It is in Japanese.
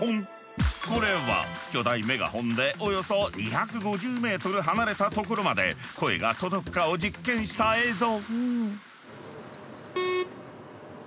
これは巨大メガホンでおよそ２５０メートル離れた所まで声が届くかを実験した映像。